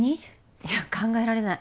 いや考えられない。